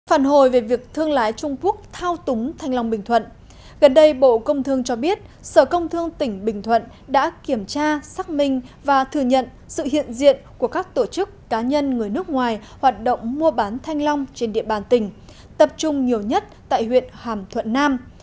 phản hồi về việc thương lái trung quốc thao túng thanh long bình thuận gần đây bộ công thương cho biết sở công thương tỉnh bình thuận đã kiểm tra xác minh và thừa nhận sự hiện diện của các tổ chức cá nhân người nước ngoài hoạt động mua bán thanh long trên địa bàn tỉnh tập trung nhiều nhất tại huyện hàm thuận nam